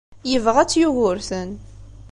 Yebɣa-tt Yugurten.